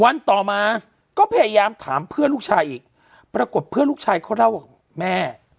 วันต่อมาก็พยายามถามเพื่อนลูกชายอีกปรากฏเพื่อนลูกชายเขาเล่ากับแม่